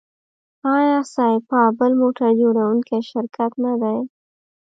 آیا سایپا بل موټر جوړوونکی شرکت نه دی؟